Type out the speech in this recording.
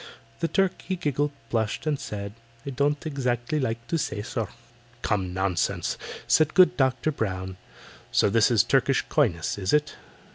The Turk he giggled, blushed, and said: "I don't exactly like to say, sir." "Come, nonsense!" said good DOCTOR BROWN. "So this is Turkish coyness, is it?